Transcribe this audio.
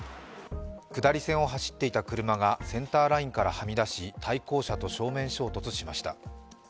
下り線を走っていた車がセンターラインからはみ出し対向車と正面衝突しました。